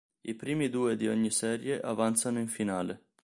I primi due di ogni serie avanzano in finale.